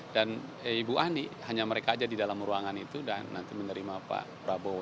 dan ibu ani hanya mereka aja di dalam ruangan itu dan nanti menerima pak prabowo